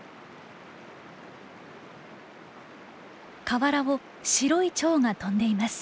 河原を白いチョウが飛んでいます。